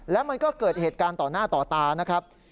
แล้วมันก็เกิดเหตุการณ์ต่อหน้าต่อตานะครับ